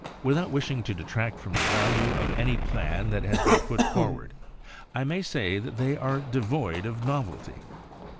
Without wish ing to detract from the value of any plan that has been put forward I may say that they are devoid of novelty.